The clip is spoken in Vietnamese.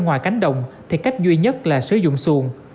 ngoài cánh đồng thì cách duy nhất là sử dụng xuồng